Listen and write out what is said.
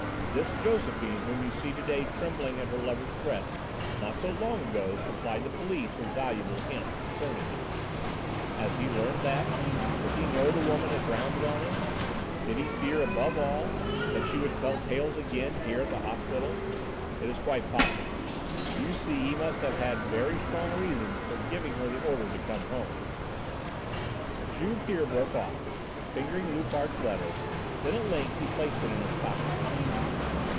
This Josephine whom you see to day trembling at her lover's threat not so long ago supplied the police with valuable hints concerning him. Has he learned that? Does he know the woman has rounded on him? Did he fear, above all, that she would tell tales again here at the hospital? It is quite possible. You see he must have had very strong reasons for giving her the order to come home " Juve here broke off, fingering Loupart's letter; then at length he placed it in his pocketbook.